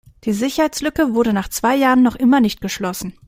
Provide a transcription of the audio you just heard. Die Sicherheitslücke wurde nach zwei Jahren noch immer nicht geschlossen.